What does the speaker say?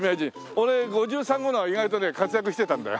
俺５３頃は意外とね活躍してたんだよ。